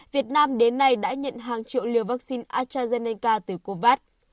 việt nam đến nay đã nhận hàng triệu liều vaccine astrazeneca từ covax